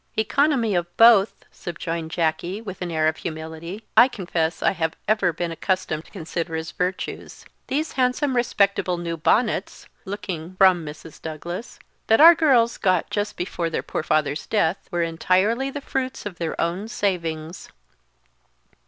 "Economy of both," subjoined Jacky, with an air of humility, "I confess I have ever been accustomed to consider as virtues. These handsome respectable new bonnets" looking from Mrs. Douglas "that our girls got just before their poor father's death, were entirely the fruits of their own savings."